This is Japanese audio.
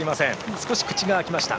少し口が開きました。